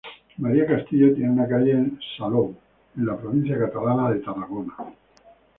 María Castillo tiene una calle en Salou, en la provincia catalana de Tarragona.